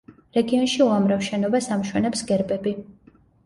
რეგიონში უამრავ შენობას ამშვენებს გერბები.